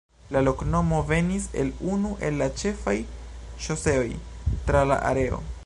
La loknomo venis el unu el la ĉefaj ŝoseoj tra la areo.